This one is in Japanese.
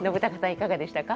いかがでしたか？